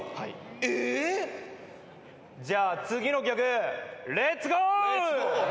じゃあ次の曲レッツゴー！